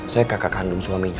saya kakak kandung suaminya